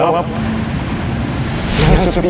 saya akan menjawab